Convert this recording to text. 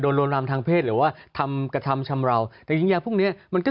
โดนรวนรามทางเพศหรือว่าทำกระทำชำราวแต่จริงยาพวกเนี้ยมันก็